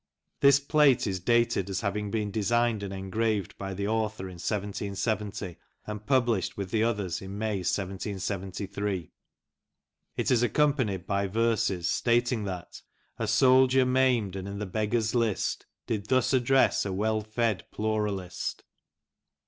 This plate is dated as having been designed and engraved by the author in 1770, and published with the others in May, 1773. It is accompanied by verses stating that A soldier maimed and in the Beggar*s list, Did thus address a well fed Plaralist.